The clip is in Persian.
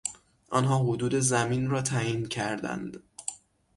آنها حدود زمین را تعیین کردند.